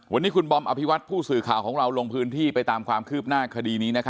วันนี้คุณบอมอภิวัตผู้สื่อข่าวของเราลงพื้นที่ไปตามความคืบหน้าคดีนี้